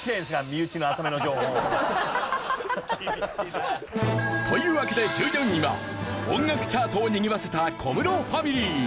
身内の浅めの情報。というわけで１４位は音楽チャートをにぎわせた小室ファミリー。